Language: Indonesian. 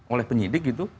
oleh penyidik gitu